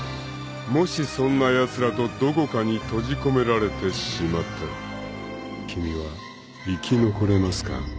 ［もしそんなやつらとどこかに閉じ込められてしまったら君は生き残れますか？］